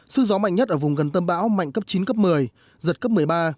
sức gió mạnh nhất ở vùng gần tâm bão mạnh cấp chín cấp một mươi giật cấp một mươi ba